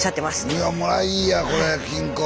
いやもらいやこれ金庫。